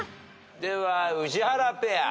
では宇治原ペア。